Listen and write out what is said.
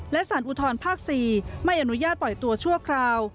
และสารอุทธรภาค๔ไม่อนุญาตปล่อยตัวชั่วคราว